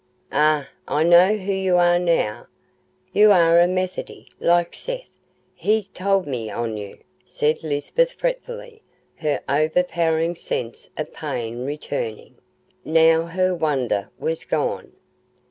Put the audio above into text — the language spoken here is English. "Ah! I know who y' are now; y' are a Methody, like Seth; he's tould me on you," said Lisbeth fretfully, her overpowering sense of pain returning, now her wonder was gone.